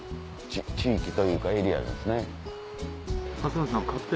地域というかエリアですね。